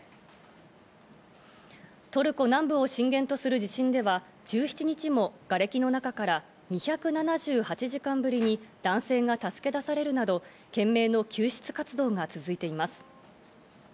トルコ南部を震源とする地震では、１７日も、がれきの中から２７８時間ぶりに男性が助け出されるなど懸命な救出活動が続いています。